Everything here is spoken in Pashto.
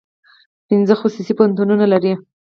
پنځه خصوصي پوهنتونونه لري.